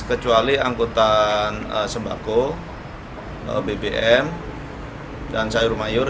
kecuali angkutan sembako bbm dan sayur mayur